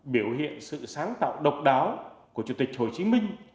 biểu hiện sự sáng tạo độc đáo của chủ tịch hồ chí minh